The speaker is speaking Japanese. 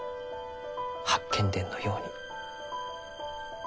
「八犬伝」のように。